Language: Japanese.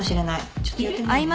ちょっとやってみるね。